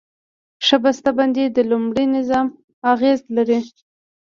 ښه بسته بندي د لومړي نظر اغېز لري.